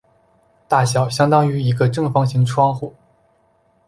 大小相当于一个正方形窗户。